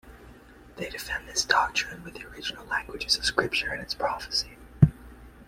They defend this doctrine with the original languages of scripture and its prophecy.